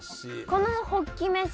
このホッキ飯